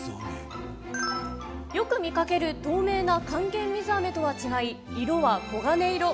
よく見かける透明な還元水あめとは違い色は黄金色。